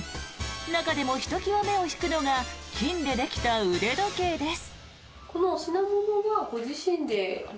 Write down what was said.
中でもひときわ目を引くのが金でできた腕時計です。